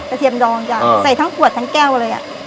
เทียมดองจ้ะใส่ทั้งขวดทั้งแก้วเลย